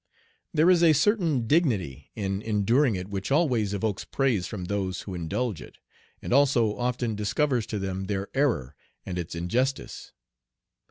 There is a certain dignity in enduring it which always evokes praise from those who indulge it, and also often discovers to them their error and its injustice.